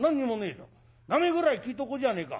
名前ぐらい聞いとこうじゃねえか。